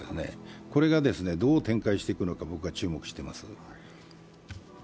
これがどう展開していくのか注目しています。